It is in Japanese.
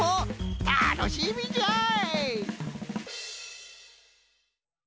たのしみじゃい！